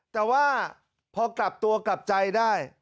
แต่ว่าพอกลับตัวกลับใจได้